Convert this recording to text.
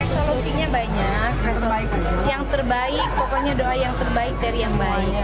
solusinya banyak yang terbaik pokoknya doa yang terbaik dari yang baik